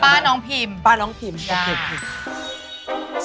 ป้าน้องพิมป้าน้องพิมป้าน้องพิมป้าพิมป้าน้องพิม